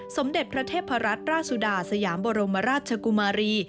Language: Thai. สมเด็จพระเทพรัตนราชสุดาสยามบรมราชกุมารี